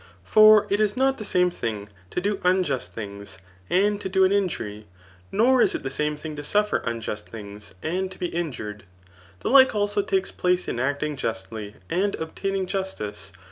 For it is not the same thing, to do unjust things, and to do an Digitized by Google CHAP. IX. tTHIC4. Its injury; nor is it the same thing to suffer unjust things^ and to be injured. The like also takes place in acting justly and obtaining justice.